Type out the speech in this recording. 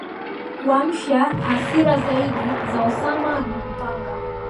kuamsha hasira zaidi za Osama na kupanga